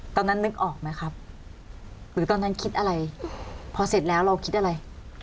นึกออกไหมครับหรือตอนนั้นคิดอะไรพอเสร็จแล้วเราคิดอะไร